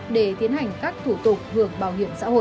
để tiến hành các thủ tục hưởng bảo hiểm xã hội